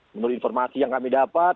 menurut informasi yang kami dapat